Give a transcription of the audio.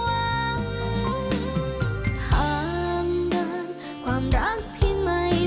ห่างดังความรักที่ไม่สวยงาม